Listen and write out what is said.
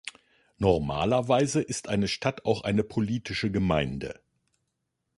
Normalerweise ist eine Stadt auch eine politische Gemeinde.